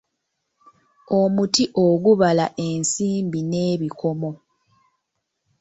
Omuti ogubala ensimbi n'ebikomo.